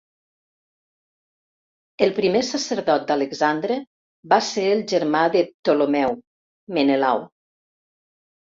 El primer sacerdot d'Alexandre va ser el germà de Ptolemeu, Menelau.